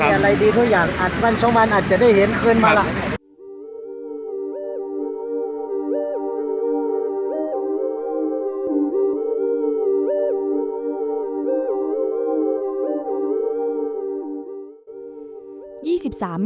ไม่มีอะไรไม่มีอะไรดีทุกอย่างอาจวันช่องวันอาจจะได้เห็นคืนมาล่ะ